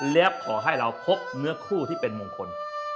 แล้วขอให้เราพบเนื้อคู่ที่เป็นมงคล